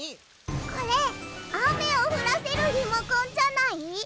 これあめをふらせるリモコンじゃない？